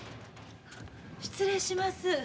失礼します。